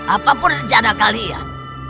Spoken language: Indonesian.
apapun rencana kalian